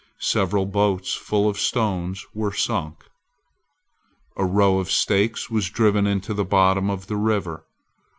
Several boats full of stones were sunk. A row of stakes was driven into the bottom of the river.